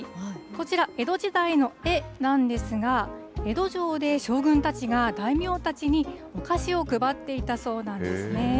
こちら、江戸時代の絵なんですが、江戸城で将軍たちが大名たちにお菓子を配っていたそうなんですね。